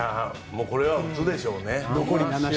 これは打つでしょうね。